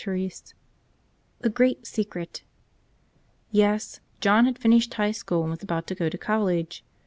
115 Cfce ©teat Secret ES; JOHN had finished high school and was about to go to college.